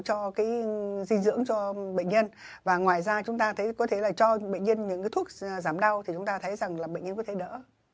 cho cái dinh dưỡng cho bệnh nhân và ngoài ra chúng ta thấy có thể là cho bệnh nhân những cái thuốc giảm đau thì chúng ta thấy rằng là bệnh nhân có thể đỡ